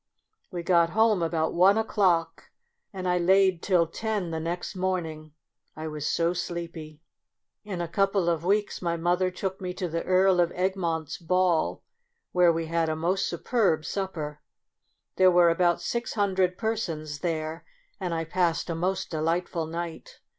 We got home about one o'clock, and I laid till ten 36 MEMOIRS OF A the next morning, I was so sleepy. In a couple of weeks my mother took me to the Earl of Egmont's ball, where we had a most superb supper. There were about six hundred persons there, and I passed a most delightful night.